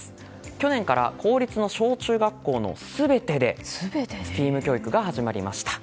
去年から公立の小中学校の全てでＳＴＥＡＭ教育が始まりました。